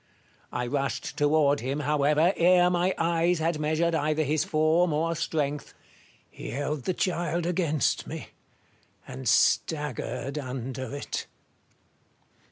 I rushed toward him, however, ere my eyes had measured either his form or strength. He held the child against me, and staggered under it.